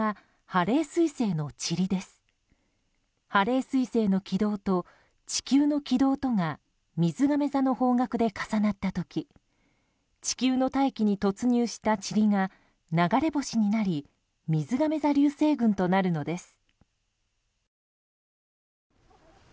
ハレー彗星の軌道と地球の軌道とがみずがめ座の方角で重なった時地球の大気に突入したちりが流れ星となりみずがめ座流星群となるのです。